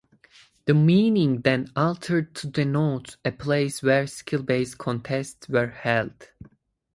The meaning then altered to denote a place where skill-based contests were held.